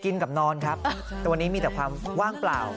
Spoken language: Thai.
กินกับนอนครับแต่วันนี้มีแต่ความว่างเปล่า